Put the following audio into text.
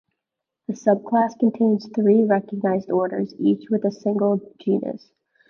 The subclass contains three recognized orders, each with a single genus.